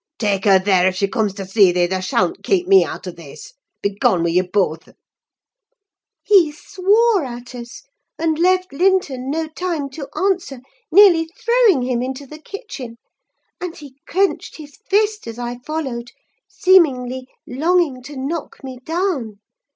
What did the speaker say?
'Take her there if she comes to see thee: thou shalln't keep me out of this. Begone wi' ye both!' "He swore at us, and left Linton no time to answer, nearly throwing him into the kitchen; and he clenched his fist as I followed, seemingly longing to knock me down.